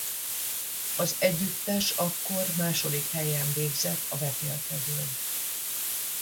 Az együttes akkor második helyen végzett a vetélkedőn.